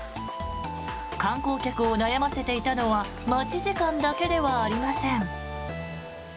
観光客を悩ませていたのは待ち時間だけではありません。